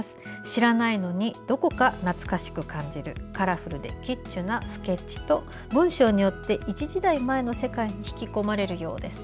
知らないのにどこか懐かしく感じるカラフルでキッチュなスケッチと文章によって一時代前の世界に引き込まれるようです。